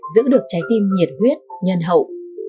giữ được trái tim nhiệt huyết nhân hậu